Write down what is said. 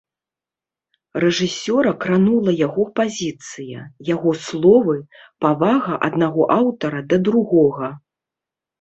Рэжысёра кранула яго пазіцыя, яго словы, павага аднаго аўтара да другога.